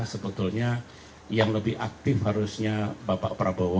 sebetulnya yang lebih aktif harusnya bapak prabowo